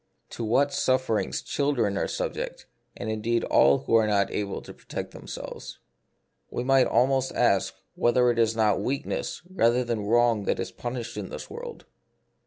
To what sufferings children are subject, and indeed all who are not able to protect themselves ! We might almost ask whether it is not weakness rather than wrong that is punished in this world